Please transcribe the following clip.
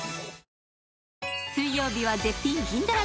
水曜日は絶品銀だら